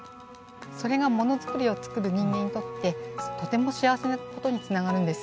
それがものづくりを作る人間にとってとても幸せなことにつながるんです。